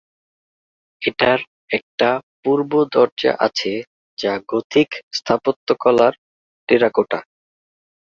এটার একটা পূর্ব দরজা আছে যা গোথিক স্থাপত্যকলার টেরাকোটা।